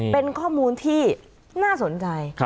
เป็นข้อมูลที่น่าสนใจ